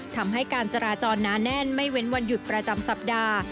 ทำให้การจราจรหนาแน่นไม่เว้นวันหยุดประจำสัปดาห์